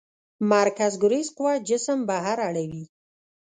مرکزګریز قوه جسم بهر اړوي.